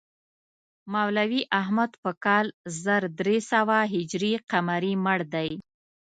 مولوي احمد په کال زر درې سوه هجري قمري مړ دی.